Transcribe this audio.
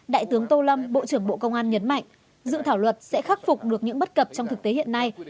đại tướng tô lâm bộ trưởng bộ công an nhấn mạnh dự thảo luật sẽ khắc phục được những bất cập trong thực tế hiện nay